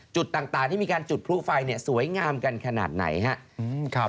จุดต่างที่มีการจุดพลุฟัยเนี่ยสวยงามกันขนาดไหนฮะ